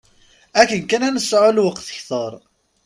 Akken kan ad nesɛu lweqt kter.